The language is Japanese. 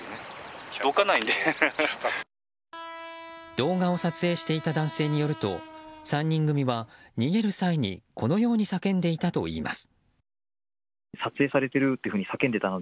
動画を撮影していた男性によると３人組は逃げる際にこのように叫んでいたといいます。